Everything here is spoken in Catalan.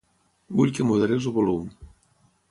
Vull que moderis el volum.